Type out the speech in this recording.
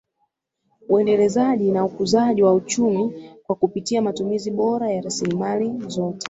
Uendelezaji na ukuzaji wa uchumi kwa kupitia matumizi bora ya rasilimali zote